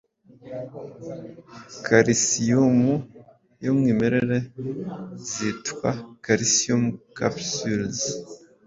kalisiyumu y’umwimerere zitwa Calcium Capsules